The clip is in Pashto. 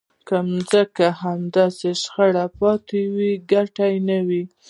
که ځمکې همداسې شاړې پاتې وای ګټه نه وه.